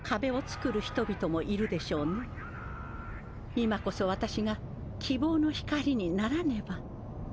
今こそ私が希望の光にならねば。